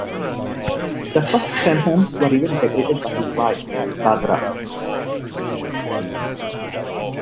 The first ten homes were even decorated by his wife, Barbara.